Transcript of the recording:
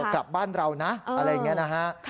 กลับบ้านเรานะอะไรอย่างนี้นะฮะ